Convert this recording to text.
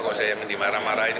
kalau saya yang dimarah marah ini